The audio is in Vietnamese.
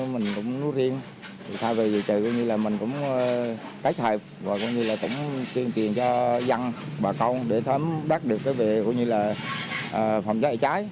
mình cũng nữ riêng thay vì điều trị mình cũng kết hợp và cũng chuyên kiện cho dân bà con để thêm đáp được về phòng cháy chữa cháy